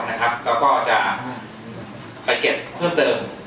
เราก็จะไปเก็บท่วดเติม